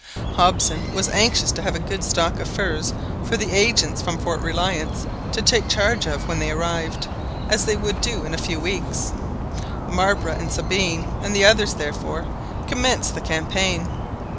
Hobson was anxious to have a good stock of furs for the agents from Fort Reliance to take charge of when they arrived, as they would do in a few weeks. Marbre, Sabine, and the others, therefore, commenced the campaign.